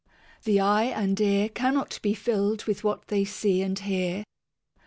The eye and ear Cannot be filled with what they see and hear.